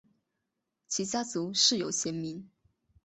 其家族世有贤名。